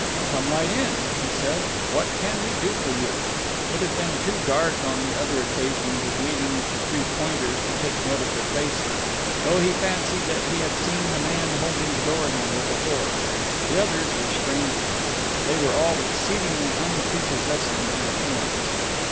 "Come right in," he said. "What can we do for you?" It had been too dark on the other occasion of his meeting with the Three Pointers to take note of their faces, though he fancied that he had seen the man holding the door handle before. The others were strangers. They were all exceedingly unprepossessing in appearance.